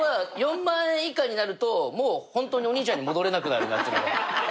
４万円以下になるともうホントにお兄ちゃんに戻れなくなるなと。